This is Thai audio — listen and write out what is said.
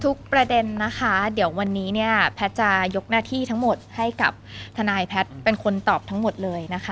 ประเด็นนะคะเดี๋ยววันนี้เนี่ยแพทย์จะยกหน้าที่ทั้งหมดให้กับทนายแพทย์เป็นคนตอบทั้งหมดเลยนะคะ